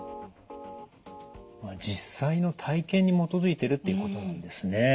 まあ実際の体験に基づいてるっていうことなんですね。